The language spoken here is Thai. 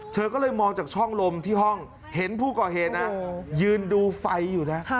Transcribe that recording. เธอก็เลยมองจากช่องลมที่ห้องเห็นผู้ก่อเหตุนะยืนดูไฟอยู่นะ